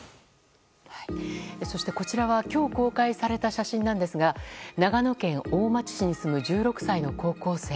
そしてこちらは今日、公開された写真なんですが長野県大町市に住む１６歳の高校生。